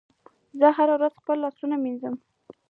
زه هره ورځ خپل لاسونه مینځم.